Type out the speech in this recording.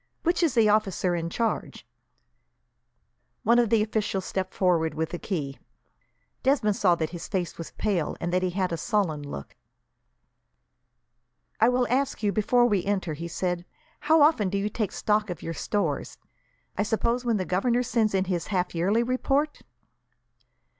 "Which is the officer in charge?" One of the officials stepped forward, with a key. Desmond saw that his face was pale, and that he had a sullen look. "I will ask you, before we enter," he said, "how often do you take stock of your stores? I suppose when the governor sends in his half yearly report?"